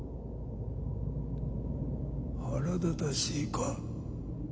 腹立たしいか。